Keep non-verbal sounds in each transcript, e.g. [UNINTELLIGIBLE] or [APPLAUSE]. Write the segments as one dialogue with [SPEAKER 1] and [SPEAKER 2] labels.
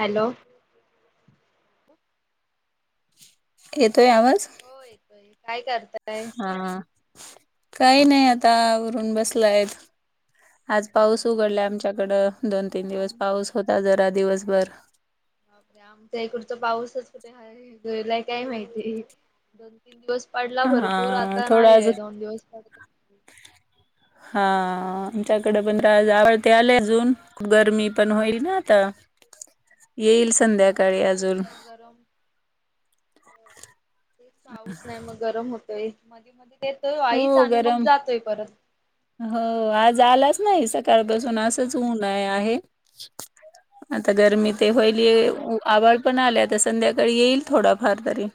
[SPEAKER 1] Hello!
[SPEAKER 2] येतोय आवाज?
[SPEAKER 1] हो येतोय काय करताय?
[SPEAKER 2] हा. काही नाही आता आवरून बसलायत, आज
[SPEAKER 1] अच्छा
[SPEAKER 2] पाऊस उघडलाय आमच्याकडं. दोन तीन
[SPEAKER 1] आम
[SPEAKER 2] दिवस पाऊस होता जरा दिवसभर.
[SPEAKER 1] बापरे! आमच्या इकडचा पाऊसच कुठे हाय गेलाय काय माहिती? दोन तीन दिवस पडला भरपूर
[SPEAKER 2] हा
[SPEAKER 1] आता
[SPEAKER 2] थोडा आज
[SPEAKER 1] नाहीये दोन दिवस [UNINTELLIGIBLE]
[SPEAKER 2] हा,
[SPEAKER 1] हा
[SPEAKER 2] आमच्याकडे पण ते आज [UNINTELLIGIBLE] आले
[SPEAKER 1] काय
[SPEAKER 2] अजून
[SPEAKER 1] तेच
[SPEAKER 2] खूप गरमी पण होईल ना आता, येईल संध्या
[SPEAKER 1] तेच ना गरम, हो तेच पाऊस नाही मग गरम हो तय, मधी मधी येतोय वाईच
[SPEAKER 2] हो
[SPEAKER 1] आणि मग
[SPEAKER 2] गरम
[SPEAKER 1] जातोय परत.
[SPEAKER 2] हो, आज आलाच नाही
[SPEAKER 1] तेच
[SPEAKER 2] सकाळपासून
[SPEAKER 1] ना.
[SPEAKER 2] असच ऊन आहे. आहे. आता गरमी ते
[SPEAKER 1] हा.
[SPEAKER 2] व्हायले, आभाळ पण आलय आता संध्याकाळी येईल थोडाफार तरी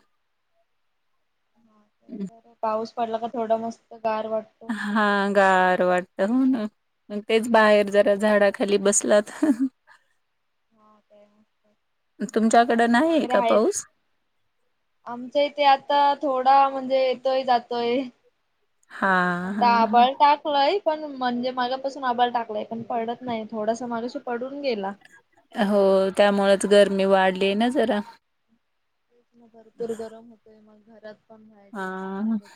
[SPEAKER 1] बर पाऊस पडला का थोडं मस्त गार वाटतो.
[SPEAKER 2] हा. गार वाटत हो ना, मग तेच बाहेर जरा झाडाखाली बस ल्यात हं हं.
[SPEAKER 1] हा काय मग मठ,
[SPEAKER 2] तुमच्याकडं
[SPEAKER 1] मंदिर
[SPEAKER 2] नाही आहे
[SPEAKER 1] वगैरे
[SPEAKER 2] का
[SPEAKER 1] आहेत.
[SPEAKER 2] पाऊस?
[SPEAKER 1] आमच्या इथे आता थोडा म्हणजे येतोय, जातोय.
[SPEAKER 2] हां,
[SPEAKER 1] आता
[SPEAKER 2] हां, हां.
[SPEAKER 1] आभाळ टाकलाय पण म्हणजे मागापासून आभाळ टाकलाय पण पडत नाही थोडासा मगाशी पडून गेला.
[SPEAKER 2] हो. त्यामुळेच गरमी वाढली ना जरा.
[SPEAKER 1] तेच मग भरपूर गरम होतोय, मग घरात पण राहायच
[SPEAKER 2] हां,
[SPEAKER 1] कानाच्या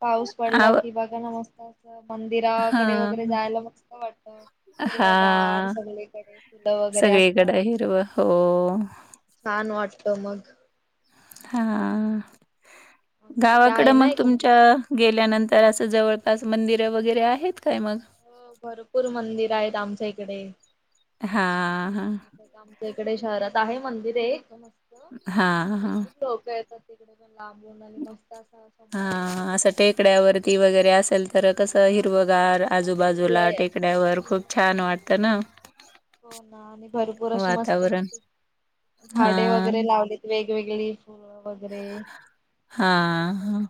[SPEAKER 1] पाऊस पडला
[SPEAKER 2] आव
[SPEAKER 1] कि बघा ना मस्त! असं मंदिराकडे वगैरे
[SPEAKER 2] हां.
[SPEAKER 1] जायला मस्त वाटत हिरवगार सगळीकडे फुलं वगैरे असतात
[SPEAKER 2] सगळीकडे हिरव हो.
[SPEAKER 1] छान वाटत मग
[SPEAKER 2] हा
[SPEAKER 1] आमच्या इथे
[SPEAKER 2] गावाकड
[SPEAKER 1] आहे ना
[SPEAKER 2] मग
[SPEAKER 1] एक
[SPEAKER 2] तुमच्या गेल्यानंतर तर असं जवळपास मंदिरं वगैरे आहेत. काय मग?
[SPEAKER 1] हो भरपूर मंदिर आहेत आमच्या इकडे.
[SPEAKER 2] हा हा.
[SPEAKER 1] इकडे शहरात आहे मंदिर आहे एक मस्त भरपूर लोक येतात. तिकडे पण लांबून आणि मस्त असं
[SPEAKER 2] हा
[SPEAKER 1] समोर अंगण
[SPEAKER 2] असं
[SPEAKER 1] आहे.
[SPEAKER 2] टेकड्यावरती वगैरे असेल तर कस
[SPEAKER 1] हा
[SPEAKER 2] हिरव कार
[SPEAKER 1] त्याच साईडला
[SPEAKER 2] आजूबाजूला
[SPEAKER 1] आहे.
[SPEAKER 2] टेकण्या्यावर खूप छान वाटतं ना.
[SPEAKER 1] हो ना आणि भरपूर अशी मस्त
[SPEAKER 2] वातावरण.
[SPEAKER 1] मस्त झाडे
[SPEAKER 2] हां,
[SPEAKER 1] वगैरे लावलीत वेग वेगवेगळी फुलं वगैरेत
[SPEAKER 2] हां,
[SPEAKER 1] ह
[SPEAKER 2] हां,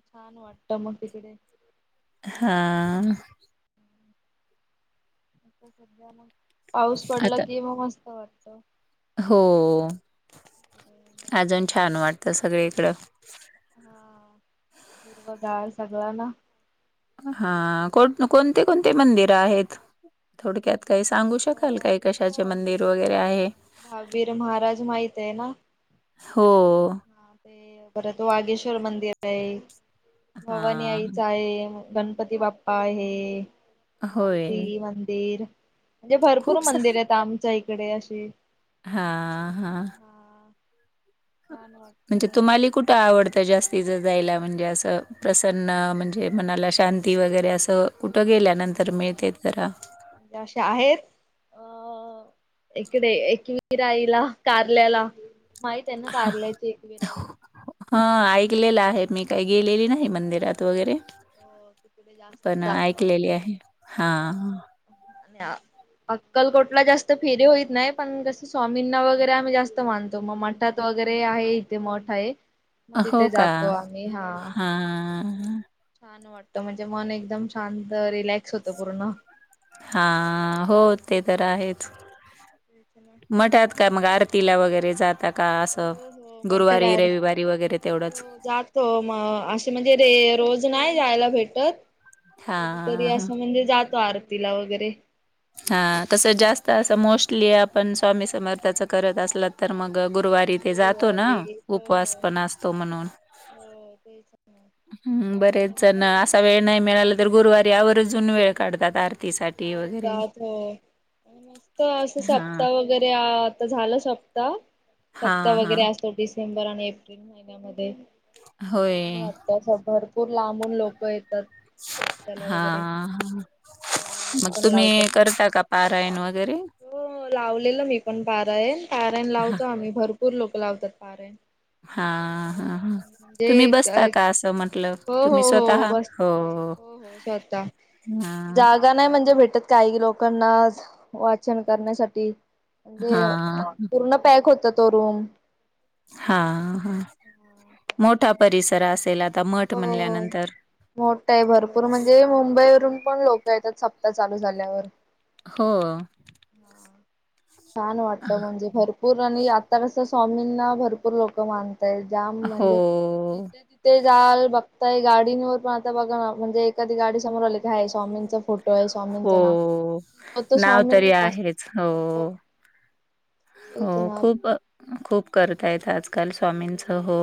[SPEAKER 1] छान वाटत मग तिकडे
[SPEAKER 2] हा.
[SPEAKER 1] पाऊस पडला
[SPEAKER 2] आता
[SPEAKER 1] की म मस्त वाटत.
[SPEAKER 2] हो
[SPEAKER 1] झालं
[SPEAKER 2] अजून छान वाटतं सगळीकडं.
[SPEAKER 1] हा निरवगळ सगळा ना.
[SPEAKER 2] हा को कोणती कोणती मंदिरं आहेत थोडक्यात काही सांगू
[SPEAKER 1] अ
[SPEAKER 2] शकाल काही कशाचे मंदिर वगैरे आहे.
[SPEAKER 1] दहाबीर महाराज माहित आहे ना.
[SPEAKER 2] हो.
[SPEAKER 1] हा ते परत वागेश्वर मंदिर आहे भवनी
[SPEAKER 2] हां, हां.
[SPEAKER 1] आईचं आहे. गणपती बाप्पा आहे
[SPEAKER 2] होय.
[SPEAKER 1] मारुती मंदिर म्हणजे भरपूर
[SPEAKER 2] खूप
[SPEAKER 1] मंदिर आहेत आमच्या इकडे अशी
[SPEAKER 2] हा हा.
[SPEAKER 1] छान
[SPEAKER 2] म्हणजे
[SPEAKER 1] वाटतं
[SPEAKER 2] तुम्हाला कुठे आवडत. तर जास्तीच जायला म्हणजे असं प्रसन्न म्हणजे मनाला शांती वगैरे असं. ट गेल्यानंतर
[SPEAKER 1] हा
[SPEAKER 2] मिळते जरा
[SPEAKER 1] म्हणजे अशे आहेत अ इकडे एक वरईला कारल्याला माही त्यांना कारारलायच एक वराई
[SPEAKER 2] हा ऐकलेलं आहे मी काही गेलेली नाही मंदिरात वगैरे
[SPEAKER 1] हो तिकुडे जास्त
[SPEAKER 2] पण
[SPEAKER 1] जातो आ
[SPEAKER 2] ऐकलेली आहे.
[SPEAKER 1] लोक
[SPEAKER 2] हां.
[SPEAKER 1] आणि अक्कलकोटला जास्त फेरी होईत नाही पण जसं स्वामींना वगैरे आम्ही जास्त मानतो मग मठात वगैरे आहे इथे मोठ आहे मग
[SPEAKER 2] हो
[SPEAKER 1] तिथे
[SPEAKER 2] का?
[SPEAKER 1] जातो आम्ही हा.
[SPEAKER 2] हां.
[SPEAKER 1] छान वाटत म्हणजे मन एकदम शांत रिलॅक्स होतं पूर्ण
[SPEAKER 2] हा हो ते तर आहेच म्हटात काय मग अर तिला वगैरे जात.
[SPEAKER 1] हो हो म्हणतातर
[SPEAKER 2] रविवारी वगैरे तेवढंच?
[SPEAKER 1] हो जातो मग असे म्हणजे रे रोज नाही जायला भेटत. कधीतरी
[SPEAKER 2] हां, हां.
[SPEAKER 1] असं म्हणजे जातो आरतीला वगैरे
[SPEAKER 2] हा तसं जास्त असं मोस्टली आपण स्वामी समर्थाच करत असल तर मग गुरुवारी ते जातो ना
[SPEAKER 1] गुरुवारी हो
[SPEAKER 2] उपवास
[SPEAKER 1] हो
[SPEAKER 2] पण असतो म्हणून
[SPEAKER 1] हो तेच ना
[SPEAKER 2] हम
[SPEAKER 1] आणि
[SPEAKER 2] बरेच ना
[SPEAKER 1] म्हणजे
[SPEAKER 2] असा वेळ नाही मिळाला तर गुरुवारी यावजून वेळ काढतात आर
[SPEAKER 1] काढतात हो मस्त अस
[SPEAKER 2] हां.
[SPEAKER 1] सप्ता वगैरे आह. झालं सप्ता सप्ताह
[SPEAKER 2] हां, हां.
[SPEAKER 1] वगैरे असतो डिसेंबर आणि एप्रिल महिन्यामध्ये छान
[SPEAKER 2] होय.
[SPEAKER 1] वाटतं असं भरपूर लांबून लोक आहेत.
[SPEAKER 2] हा
[SPEAKER 1] पारायण
[SPEAKER 2] मग
[SPEAKER 1] पण लावतात
[SPEAKER 2] तुम्ही
[SPEAKER 1] काय
[SPEAKER 2] करता का पारायण वगैरे?
[SPEAKER 1] हो लावलेलं मी पण पारायण पारायन लावतो आम्ही भर भरपूर लोक लावतात पार
[SPEAKER 2] हा.
[SPEAKER 1] म्हणजे
[SPEAKER 2] म्हटलं?
[SPEAKER 1] हो हो
[SPEAKER 2] तुम्ही
[SPEAKER 1] हो
[SPEAKER 2] स्वतः? हो.
[SPEAKER 1] बसते हो हो स्वतः
[SPEAKER 2] हां,
[SPEAKER 1] जागा नाही म्हणजे भेटत काही लोकांना वाचन करण्यासाठी म्हणजे
[SPEAKER 2] हां,
[SPEAKER 1] पूर्ण पॅक होता तो रूम.
[SPEAKER 2] हा, हा. मोठा परिसर असेल मठ
[SPEAKER 1] हो, हो.
[SPEAKER 2] म्हणल्यानंतर.
[SPEAKER 1] मोठ हाय भरपूर म्हणजे मुंबईवरून - - पण लोक येतात. सप्ता चालू झाल्यावर.
[SPEAKER 2] हो.
[SPEAKER 1] छान वाटत म्हणजे भरपूर आणि आता कस स्वामींना भरपूर लोक मान - - जाम म्हणजे
[SPEAKER 2] हो,
[SPEAKER 1] जिथे तिथे जाल बघताय गाडींवर पण आता बघा ना म्हणजे एखादी गाडी समोर आले की हय स्वामींचा फोटो स्वामींचं
[SPEAKER 2] हो.
[SPEAKER 1] नाव तर
[SPEAKER 2] नाव
[SPEAKER 1] स्वामीनी
[SPEAKER 2] तरी
[SPEAKER 1] असत.
[SPEAKER 2] आहेच. हो, हो. खूप खूप करतायेत. आजकाल स्वामींच हो.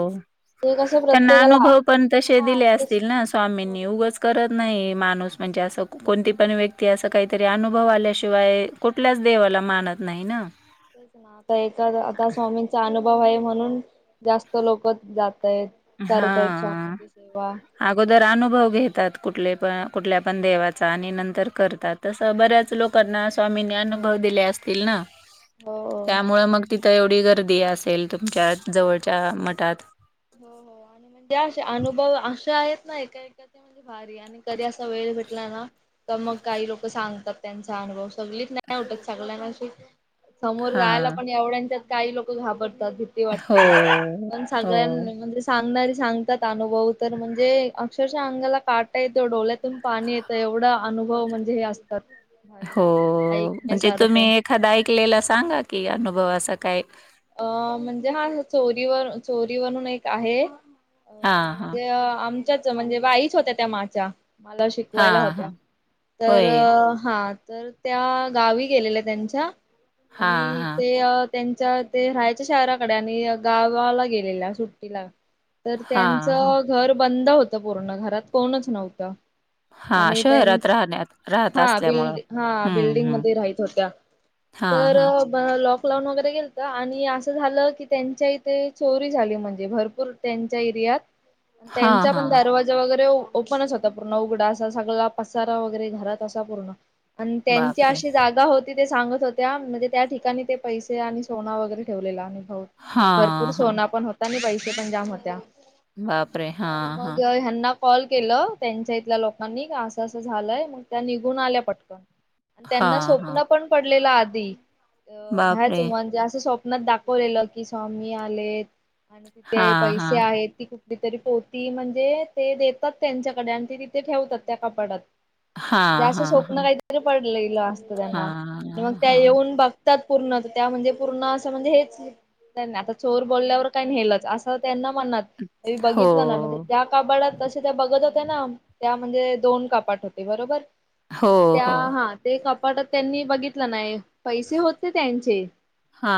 [SPEAKER 1] ते कसं
[SPEAKER 2] त्यांना
[SPEAKER 1] प्रत्येकाला
[SPEAKER 2] अनुभव पण तसे
[SPEAKER 1] हा
[SPEAKER 2] दिले
[SPEAKER 1] तेच
[SPEAKER 2] असतील ना. स्वामींनी उगचं कर नाही माणूस म्हणजे अस कोणती पण व्यक्ती अस काहीतरी अनुभव आल्याशिवाय कुठल्याच देवा ला मानत नाही ना.
[SPEAKER 1] तेच ना आता एका आता स्वामींचा अनुभव आहे म्हणून जास्त लोक जातात.
[SPEAKER 2] हा आगोदर आनु भव घेतात कुठले पण कुठल्या पण देवाचा आणि नंतर करतात तसं बऱ्याच लोकांना स्वामी - - मीनी अनुभव दिले असतील ना.
[SPEAKER 1] हो
[SPEAKER 2] त्यामुळ मग तिथं एवढी गर्दी असेल तुमच्या जवळच्या मठात.
[SPEAKER 1] हो, हो. म्हणजे असे अनुभव अस तो आहेत ना एकाका म्हणजे भारी आणि कधी असा वेळ घेटलाय ना तर मग काही लोक सांगतात. त्यांचा अनुभव सगळीच नाही उठत सगल्याना अशी समोर जायला.
[SPEAKER 2] हां.
[SPEAKER 1] पण एवढ्यांच्यात काही लोक घाबरतात भीती
[SPEAKER 2] हो,
[SPEAKER 1] वाटते. पण सांग - -
[SPEAKER 2] हो,
[SPEAKER 1] णारे सांगणारे सांगतात अनुभव तर म्हणजे अक्षरश अंगाला काटा येतो डोल्यातून पाणी येतं एवढं अ नुभव म्हणजे हे असतात. भारी
[SPEAKER 2] हो. म्हणजे तुम्ही
[SPEAKER 1] ऐकण्यासारखं
[SPEAKER 2] एखादा ऐकलेला सांगा की अनुभव असा काय.
[SPEAKER 1] अ म्हणजे हा चोरीवर चोरीवररून एक आहे. अ
[SPEAKER 2] हां, हां.
[SPEAKER 1] म्हणजे आमच्याच म्हणजे बाईच होत्या त्या माच्या मला शिकवायला
[SPEAKER 2] हां,
[SPEAKER 1] होत्या.
[SPEAKER 2] हां.
[SPEAKER 1] तर,
[SPEAKER 2] होय.
[SPEAKER 1] हा. तर त्या गावी गेलेल्या त्यांच्या
[SPEAKER 2] हां,
[SPEAKER 1] आणि
[SPEAKER 2] हां.
[SPEAKER 1] ते त्यांच्या - - ते राहायचे शहराकडे आणि गावाला गेलेल्या सुट्टीला. तर
[SPEAKER 2] हां, हां.
[SPEAKER 1] त्यांचं घर बंद होतं पूर्ण घरात कोणच नव्हतं.
[SPEAKER 2] हां,
[SPEAKER 1] आणि त्यां
[SPEAKER 2] शहरात राहण्यात राहत
[SPEAKER 1] हा
[SPEAKER 2] असल्यामुळं.
[SPEAKER 1] बिल्ड हा
[SPEAKER 2] हं,
[SPEAKER 1] बिल्डिंग
[SPEAKER 2] हं.
[SPEAKER 1] मध्ये राहत होत्या.
[SPEAKER 2] हां,
[SPEAKER 1] तर
[SPEAKER 2] हां.
[SPEAKER 1] लॉकडाऊन वगैरे गेल आणि असं झालं की त्यांच्या इथे चोरी झाली म्हणजे भरपूर त्यांच्या एरियात.
[SPEAKER 2] हां,
[SPEAKER 1] त्यांचा पण
[SPEAKER 2] हां.
[SPEAKER 1] दरवाजा वगैरे ओपनच होता. पूर्ण उघडा. असा सगळा पसारा वगैरे घरात असा पूर्ण - - आणि त्यांची
[SPEAKER 2] बापरे!
[SPEAKER 1] अशी जागा होती ते सांगत होत्या म्हणजे त्या ठिकाणी ते पैसे आणि सोना वगैरे ठेवलेला आणि होय भरपूर
[SPEAKER 2] हां, हां.
[SPEAKER 1] सोना पण होता आणि पैसे पण जाम होत्या.
[SPEAKER 2] बापरे!
[SPEAKER 1] तर
[SPEAKER 2] हां,
[SPEAKER 1] मग
[SPEAKER 2] हां.
[SPEAKER 1] ह्यांना कॉल केलं त्यांच्या इथल्या लोकांनी असं असं झालंय मग त्या निघून आल्या पटकन त्यांना
[SPEAKER 2] हां, हां.
[SPEAKER 1] स्वप्न पण पडलेला आधी अ ह्याच
[SPEAKER 2] बापरे!
[SPEAKER 1] म - - स्वप्नात दाखवलेलं की स्वामी आले आणि तिथे
[SPEAKER 2] हां,
[SPEAKER 1] पैसे
[SPEAKER 2] हां.
[SPEAKER 1] आहेत. ती खूप कुठतरी पोती म्हणजे ते देतात त्यांच्याकडे आणि ती तिथे ठेवतात त्या कपाडात. म्हणजे
[SPEAKER 2] हां,
[SPEAKER 1] असं
[SPEAKER 2] हां,
[SPEAKER 1] स्वप्न
[SPEAKER 2] हां.
[SPEAKER 1] काहीतरी पड - - लेलं असत त्यांना मग
[SPEAKER 2] हां,
[SPEAKER 1] त्या
[SPEAKER 2] हां.
[SPEAKER 1] येऊन बघतात. पूर्ण त्या म्हणजे पूर्ण अस म्हणजे हेच आता चोर बोलल्यावर काही नेलच अस त्यांना - - मनात बघितलं ना
[SPEAKER 2] हो.
[SPEAKER 1] म्हणे कबाडात तसे त्या बघत होत्या ना त्या म्हणजे दोन कापाट होते. बरोबर.
[SPEAKER 2] हो,
[SPEAKER 1] त्या
[SPEAKER 2] हो.
[SPEAKER 1] हा ते कपाट त्यांनी बघितलं नाही. पैसे होते त्यांचे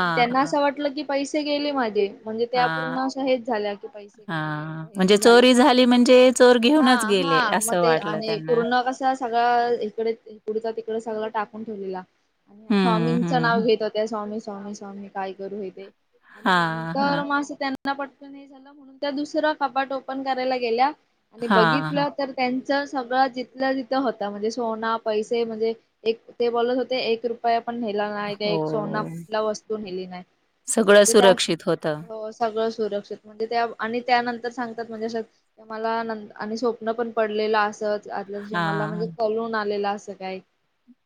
[SPEAKER 1] पण त्यांना
[SPEAKER 2] हां.
[SPEAKER 1] असं वाटलं की पैसे गेले माझे. म्हणजे त्या पूर्ण
[SPEAKER 2] हां,
[SPEAKER 1] अशा हेच झाल्या कि पैसे गेले
[SPEAKER 2] हां.
[SPEAKER 1] एवढं हे
[SPEAKER 2] म्हणजे
[SPEAKER 1] ते झालं
[SPEAKER 2] चोरी झाली म्हणजे चोर
[SPEAKER 1] हा.
[SPEAKER 2] घेऊनच गेले
[SPEAKER 1] हा म
[SPEAKER 2] असं
[SPEAKER 1] ते
[SPEAKER 2] वाटलं
[SPEAKER 1] आणि
[SPEAKER 2] त्यांना.
[SPEAKER 1] पूर्ण कसं अ स इकडे इकडचा तिकडे सगळं टाकून ठेवलेला. आणि या
[SPEAKER 2] हं,
[SPEAKER 1] स्वामींचं नाव
[SPEAKER 2] हं.
[SPEAKER 1] घेत होत्या. स्वामी, स्वामी, स्वामी काय करू हे ते आणि
[SPEAKER 2] हां,
[SPEAKER 1] नंतर
[SPEAKER 2] हां.
[SPEAKER 1] मग असं त्यांना पटकन हे झालं म्हणून त्या दुसर कपाट ओपन करायला गेल्या आणि
[SPEAKER 2] हां, हां.
[SPEAKER 1] बघितलं तर त्यांन सगळं जिथल्या तिंथ होत म्हणजे सोना, पैसे म्हणजे एक ते बोलत होते एक रुपया पण नेला नाही का
[SPEAKER 2] हो.
[SPEAKER 1] एक सोना तिला वस्तू दिली नाही.
[SPEAKER 2] सगळं
[SPEAKER 1] म्हणजे त्या
[SPEAKER 2] सुरक्षित होतं.
[SPEAKER 1] सगळं सुरक्षित म्हणजे त्या. आणि त्यानंतर सांगतात. म्हणजे मला आणि स्वप्न पण पडलेलं अस. आल्या दिशी मला म्हणजे कळून आलेलं असं काय?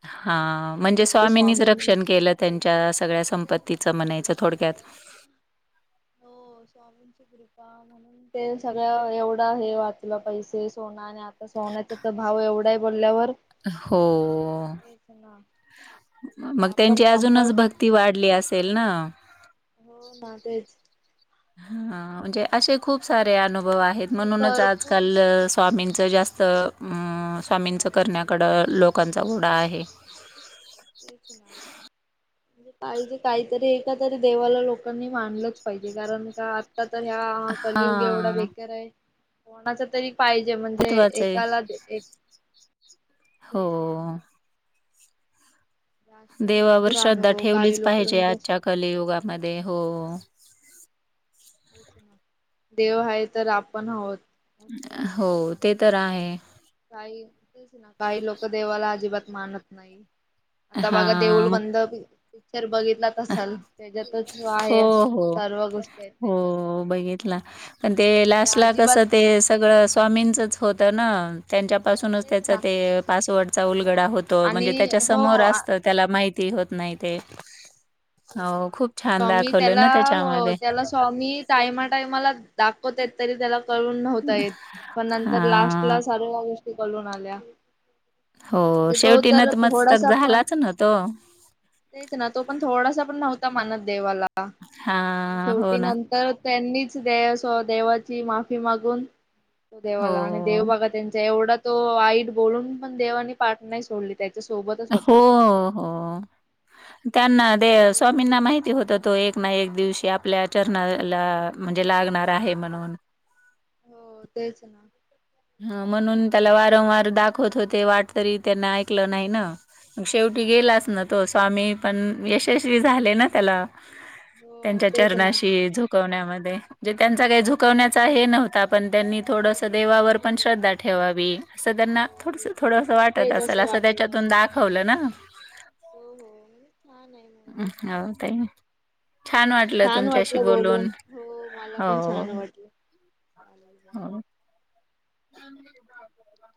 [SPEAKER 2] हा म्हणजे
[SPEAKER 1] एवढी
[SPEAKER 2] स्वामीनीच
[SPEAKER 1] स्वामींची
[SPEAKER 2] रक्षण केलं त्यांच्या
[SPEAKER 1] कृपा
[SPEAKER 2] सगळ. सेगळ्या
[SPEAKER 1] तेच ना
[SPEAKER 2] संपत्तीच म्हणायचं थोडक्यात.
[SPEAKER 1] [UNINTELLIGIBLE] स्वामीनची कृपा म्हणून ते सगळ्या एवढ. हे वाचलं पैसे सोन आणि आ सोन्याचा तर भाव एवढाय बोलल्यावर.
[SPEAKER 2] हो.
[SPEAKER 1] तेच ना म्हणजे
[SPEAKER 2] मग
[SPEAKER 1] आपण
[SPEAKER 2] त्यांची
[SPEAKER 1] कंबळ
[SPEAKER 2] अजूनच भक्ती वाढली असेल ना.?
[SPEAKER 1] हो ना तेच.
[SPEAKER 2] हा म्हणजे असे खूप सारे अनुभव आहेत.
[SPEAKER 1] असे
[SPEAKER 2] म्हणूनच
[SPEAKER 1] भरपूर
[SPEAKER 2] आजकाल स्वामीं जास्त स्वामींचं
[SPEAKER 1] करत आहेत लोक
[SPEAKER 2] करण्याकडं लोकांचा ओडा आहे.
[SPEAKER 1] तेच ना. काजे काहीतरी एका तरी देवाला लोकांनी मांनलंच पाहिजे. कारण का? आता तर ह्या कलयुग एवढा
[SPEAKER 2] हां
[SPEAKER 1] बेकार आहे कोणाचा तरी पाहिजे म्हणजे
[SPEAKER 2] महत्वाचं आहे.
[SPEAKER 1] एकाला- एक.
[SPEAKER 2] हो.
[SPEAKER 1] तेच ना असे
[SPEAKER 2] देवावर
[SPEAKER 1] भरपूर
[SPEAKER 2] श्रद्धा
[SPEAKER 1] अनुभव
[SPEAKER 2] ठेवलीच
[SPEAKER 1] काही लोक
[SPEAKER 2] पाहिजे.
[SPEAKER 1] म्हणजे
[SPEAKER 2] आजच्या कलयुगामध्ये हो.
[SPEAKER 1] देव आहे तर आपण आहोत. काही नाही
[SPEAKER 2] हो
[SPEAKER 1] आता
[SPEAKER 2] ते तर आहे.
[SPEAKER 1] काही तेच ना काही लोक देवाला अजिबात मानत नाही. आता बघा देऊळ
[SPEAKER 2] हां मग
[SPEAKER 1] बंद. पिक्चर बघितलाच असाल, त्याच्यातच
[SPEAKER 2] हो,
[SPEAKER 1] आहे
[SPEAKER 2] हो.
[SPEAKER 1] सर्व गोष्टी आहेत. त्याच्यात
[SPEAKER 2] हो! बघितला पण, ते
[SPEAKER 1] म्हणजे
[SPEAKER 2] लास्ट ला
[SPEAKER 1] अजिबात
[SPEAKER 2] कसं ते सगळं स्वामींचच. होता ना. त्यांच्या पाासूनच
[SPEAKER 1] तेच
[SPEAKER 2] त्याच
[SPEAKER 1] ना
[SPEAKER 2] ते पासवर्डचा
[SPEAKER 1] सगळं
[SPEAKER 2] उलगडा होतो. म्हणजे,
[SPEAKER 1] आणि
[SPEAKER 2] त्याच्या समोर
[SPEAKER 1] हो
[SPEAKER 2] असतं त्याला माहित. ती होत नाही ते. हो खूप छान
[SPEAKER 1] स्वामी
[SPEAKER 2] दाखवलं
[SPEAKER 1] त्याला.
[SPEAKER 2] ना
[SPEAKER 1] हो
[SPEAKER 2] त्याच्यामध्ये.
[SPEAKER 1] त्याला स्वामी टायमाटायमाला दाख दाखवत होतेत तरी त्याला कळून नव्हता येत. पण नंतर लास्ट
[SPEAKER 2] हां.
[SPEAKER 1] ला चालू. कळून आल्या.
[SPEAKER 2] हो
[SPEAKER 1] म्हणजे तो
[SPEAKER 2] शेवटी ना
[SPEAKER 1] तर
[SPEAKER 2] मस्तक
[SPEAKER 1] थोडासा पण.
[SPEAKER 2] झालाच ना तो.
[SPEAKER 1] तेच ना तो पण. थोडासा पण नव्हता मानत देवाला.
[SPEAKER 2] हां, हो
[SPEAKER 1] शेवटी
[SPEAKER 2] ना.
[SPEAKER 1] नंतर. त्यांनीच ते देवाची माफी मागून. तो
[SPEAKER 2] हो.
[SPEAKER 1] देवाला आणि देव बघा. त्यांच्या एवढा तो वाईट बोलून पण देवानी पाठ नाही सोडली. त्याच्या सोबतच
[SPEAKER 2] हो.
[SPEAKER 1] होता
[SPEAKER 2] हो. त्यांना ते
[SPEAKER 1] म्हणजे देव आपल्या
[SPEAKER 2] स्वामींना माहिती होत तो एक. एक ना एक दिवशी. आपल्या चरणाला म्हणजे लागणार आहे. म्हणून.
[SPEAKER 1] हो तेच ना.
[SPEAKER 2] ह म्हणून, त्याला वारंवार दाखवत होते. वाट तरी त्यांना ऐकलं नाही ना. मग शेवटी
[SPEAKER 1] हा
[SPEAKER 2] गेलाच ना तो. स्वामी पण यशस्वी झाले ना त्याला.
[SPEAKER 1] हो
[SPEAKER 2] त्यांच्या
[SPEAKER 1] तेच ना
[SPEAKER 2] चरणाशी झोकवण्यामध्ये. त्यांचा काही
[SPEAKER 1] तेच
[SPEAKER 2] झुकवण्याचा हे नव्हता. पण, त्यांनी थोडंसं
[SPEAKER 1] नव्हता आपण
[SPEAKER 2] देवावर
[SPEAKER 1] हो
[SPEAKER 2] पण श्रद्धा ठेवावी. असं त्यांना
[SPEAKER 1] तेव्हा बी
[SPEAKER 2] थोडस
[SPEAKER 1] त्यांना
[SPEAKER 2] थोडस
[SPEAKER 1] हो
[SPEAKER 2] वाटत
[SPEAKER 1] तेच
[SPEAKER 2] असेल. असं
[SPEAKER 1] वाटलं
[SPEAKER 2] त्याच्यातून दाखवलं ना.
[SPEAKER 1] हो! हो! म्हणजे छान! आहे
[SPEAKER 2] म्
[SPEAKER 1] मूवी
[SPEAKER 2] होताय
[SPEAKER 1] छान वाटलं बोलून हो मला
[SPEAKER 2] हो
[SPEAKER 1] पण छान वाटलं चालेय
[SPEAKER 2] ह